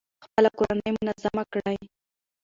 خپله کورنۍ منظمه کړئ.